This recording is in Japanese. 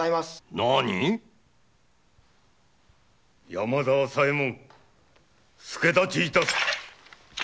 山田朝右衛門助太刀致す！